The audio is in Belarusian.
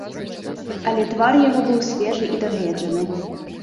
Але твар яго быў свежы і дагледжаны.